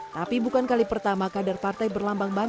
tapi bukan kali pertama kadar partai berlambang banteng